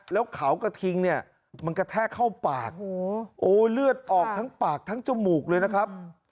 แล้วเขากระทิงเนี่ยมันกระแทกเข้าปากโอ้เลือดออกทั้งปากทั้งจมูกเลยนะครับ